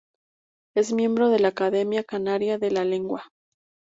Es miembro de la Academia Canaria de la Lengua.